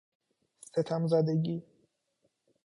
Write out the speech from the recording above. ستم زدگی